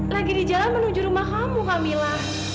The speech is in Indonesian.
lagi di jalan menuju rumah kamu camilla